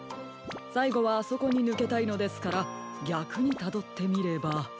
さいごはあそこにぬけたいのですからぎゃくにたどってみれば。